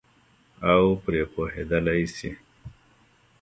او پرې پوهېدلای شي.